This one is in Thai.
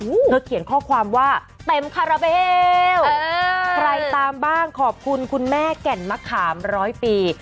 เธอเขียนข้อความว่าเต็มคาราเบลใครตามบ้างขอบคุณคุณแม่แก่นมะขามร้อยปี